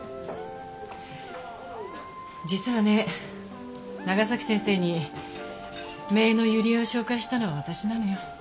実はね長崎先生に姪の友里恵を紹介したのは私なのよ。